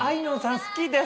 好きです。